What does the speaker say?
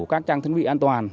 các trang thân vị an toàn